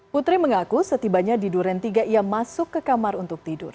putri mengaku setibanya di duren tiga ia masuk ke kamar untuk tidur